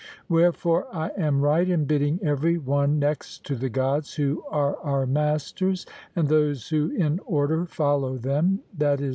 Wherefore I am right in bidding every one next to the Gods, who are our masters, and those who in order follow them (i.e.